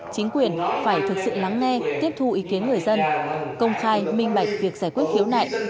chính quyền phải thực sự lắng nghe tiếp thu ý kiến người dân công khai minh bạch việc giải quyết khiếu nại